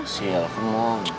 sial aku mau